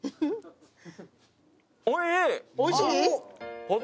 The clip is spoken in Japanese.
おいしい？